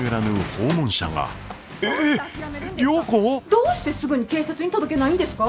どうしてすぐに警察に届けないんですか？